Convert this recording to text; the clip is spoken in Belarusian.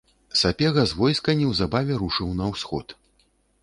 Сапега з войска неўзабаве рушыў на ўсход.